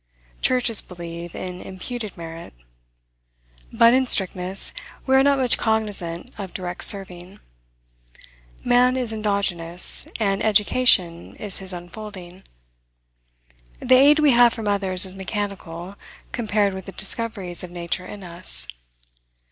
Churches believe in imputed merit. But, in strictness, we are not much cognizant of direct serving. Man is endogenous, and education is his unfolding. The aid we have from others is mechanical, compared with the discoveries of nature in us.